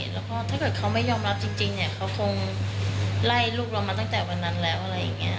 แล้วก็ถ้าเกิดเขาไม่ยอมรับจริงเนี่ยเขาคงไล่ลูกเรามาตั้งแต่วันนั้นแล้วอะไรอย่างนี้